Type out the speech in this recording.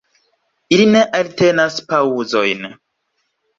Ili ne eltenas paŭzojn.